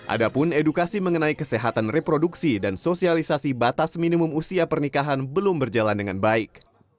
adapun edukasi mengenai kesehatan reproduksi dan sosialisasi batas minimum usia pernikahan belum berjalan dengan baik